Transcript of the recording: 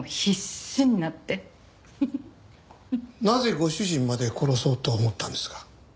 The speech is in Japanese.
なぜご主人まで殺そうと思ったんですか？